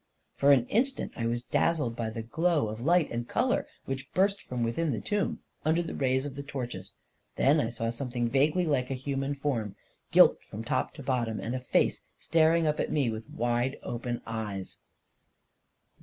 For an instant I was dazzled by the glow of light and color which burst from within the tomb, under the rays of the torches ; then I saw something vaguely like a human form, gilt from top to bottom; and a face staring up at me with wide open eyes